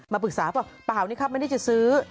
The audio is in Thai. มาปรึกษาบอกเปล่านี่ครับไม่ได้ซื้อ